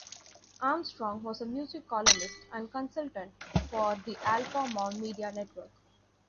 Armstrong was a music columnist and consultant for the Alpha Mom media network.